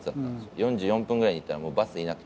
４４分くらいに行ったら、もうバスいなくて。